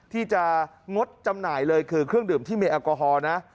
ที่จะงดจำหน่ายเลยคือเครื่องดื่มที่มีแอลกอฮอล์นะ